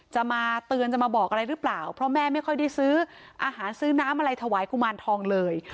จะมาเตือนจะมาบอกอะไรหรือเปล่าเพราะแม่ไม่ค่อยได้ซื้ออาหารซื้อน้ำอะไรถวายกุมารทองเลย